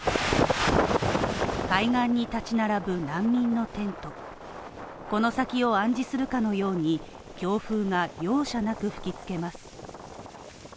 海岸に立ち並ぶ難民のテントこの先を暗示するかのように強風が容赦なく吹き付けます。